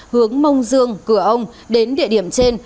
hướng mông dương cửa ông đến địa điểm trên